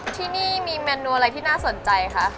ที่นี่มีเมนูอะไรที่น่าสนใจคะ